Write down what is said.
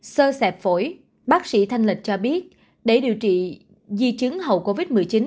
sơ sẹp phổi bác sĩ thanh lịch cho biết để điều trị di chứng hậu covid một mươi chín